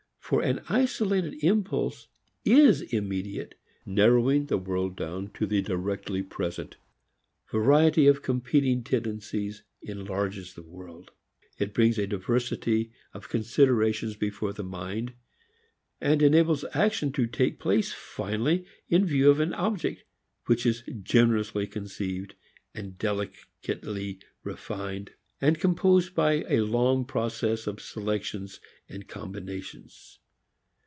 For an isolated impulse is immediate, narrowing the world down to the directly present. Variety of competing tendencies enlarges the world. It brings a diversity of considerations before the mind, and enables action to take place finally in view of an object generously conceived and delicately refined, composed by a long process of selections and combinations.